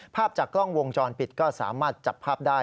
ภาพจากกล้องวงจรปิดก็สามารถจับภาพได้